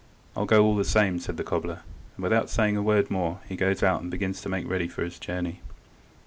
"I'll go all the same," said the cobbler, and without saying a word more he goes out and begins to make ready for his journey.